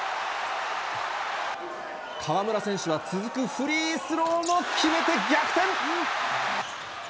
河村選手は続くフリースローも決めて逆転。